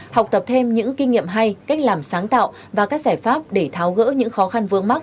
học tập thêm những kinh nghiệm hay cách làm sáng tạo và các giải pháp để tháo gỡ những khó khăn vướng mắt